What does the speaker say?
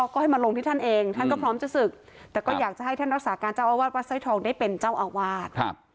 ก็ให้มาลงที่ท่านเองท่านก็พร้อมจะศึกแต่ก็อยากจะให้ท่านรักษาการเจ้าอาวาสวัดสร้อยทองได้เป็นเจ้าอาวาส